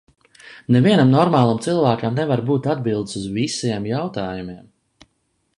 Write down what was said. Nevienam normālam cilvēkam nevar būt atbildes uz visiem jautājumiem.